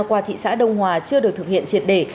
qua thị xã đông hòa chưa được thực hiện triệt đề